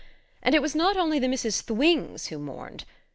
And it was not only the Mrs. Thwings who mourned.